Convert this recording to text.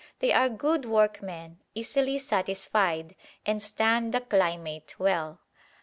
They are good workmen, easily satisfied, and stand the climate well.